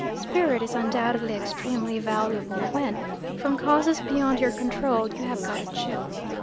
Spirit is undoubtedly extremely valuable when, from causes beyond your control, you have got a chill.